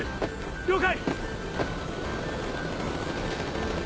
了解！